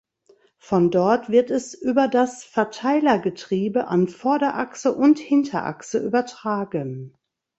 Von dort wird es über das Verteilergetriebe an Vorderachse und Hinterachse übertragen.